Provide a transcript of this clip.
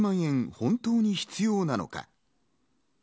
本当に必要なのか。